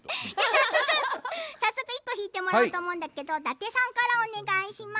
早速１個引いてもらうんだけど伊達さんからお願いします。